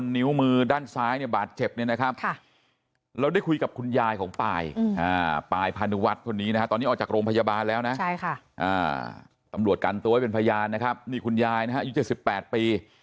นี่คุณยายนะครับ๑๘ปี